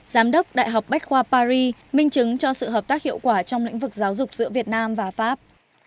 giám đốc đại học bách khoa paris minh chứng cho sự hợp tác hiệu quả trong lĩnh vực giáo dục giữa việt nam và pháp